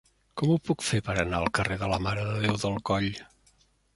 Com ho puc fer per anar al carrer de la Mare de Déu del Coll?